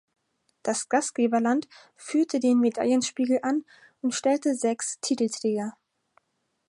Das Gastgeberland führte den Medaillenspiegel an und stellte sechs Titelträger.